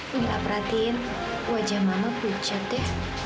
mengilap perhatiin wajah mama pucat ya